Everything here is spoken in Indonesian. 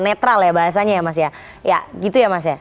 netral ya bahasanya ya mas ya ya gitu ya mas ya